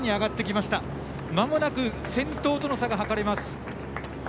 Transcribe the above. まもなく先頭との差が計れます。